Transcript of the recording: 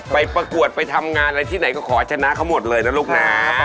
ประกวดไปทำงานอะไรที่ไหนก็ขอชนะเขาหมดเลยนะลูกนะ